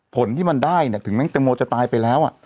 ผลที่มันได้ถึงแม้งตังโมจะตายไปแล้ว